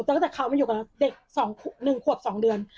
ตั้งแต่เขามันอยู่กับเราเด็กสองหนึ่งขวดสองเดือน